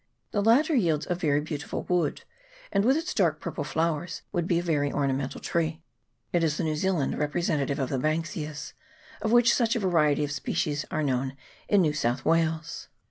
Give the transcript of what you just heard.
The latter yields a very beautiful wood, and with its dark purple flowers would be a very ornamental tree. It is the New Zealand representative of the Banksias, of which such a variety of species are known in New South Wales.